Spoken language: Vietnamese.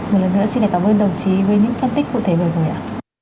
một lần nữa xin cảm ơn đồng chí với những phân tích cụ thể vừa rồi ạ